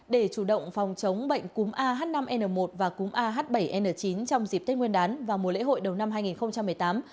để chủ động phòng chống bệnh cúm ah năm n một và cúm ah bảy n chín trong dịp tết nguyên đán và mùa lễ hội đầu năm hai nghìn một mươi tám